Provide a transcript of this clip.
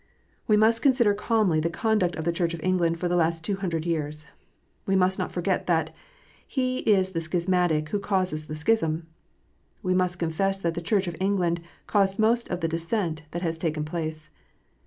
We must consider calmly the conduct of the Church of England for the last two hundred years. We must not forget that "he is the schismatic who causes the schism." We must confess that the Church of England caused most of the dissent that has taken place.